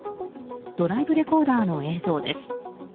ドライブレコーダーの映像です。